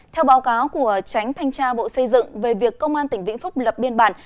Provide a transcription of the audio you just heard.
theo báo cáo của tránh thanh tra bộ xây dựng về việc công an tỉnh vĩnh phúc lập biên bản